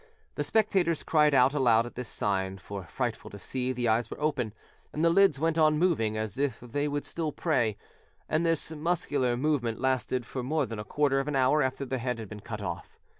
The spectators cried out aloud at this sign; for, frightful to see, the eyes were open, and the lids went on moving as if they would still pray, and this muscular movement lasted for more than a quarter of an hour after the head had been cut off.